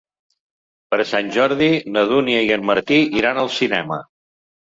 Per Sant Jordi na Dúnia i en Martí iran al cinema.